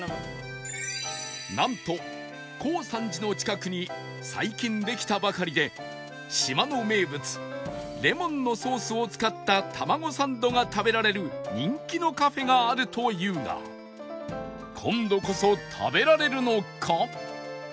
なんとコウサンジの近くに最近できたばかりで島の名物レモンのソースを使ったタマゴサンドが食べられる人気のカフェがあるというが今度こそ食べられるのか？